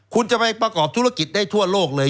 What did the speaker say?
คุณจะไปประกอบธุรกิจได้ทั่วโลกเลย